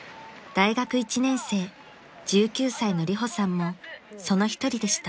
［大学１年生１９歳のリホさんもその一人でした］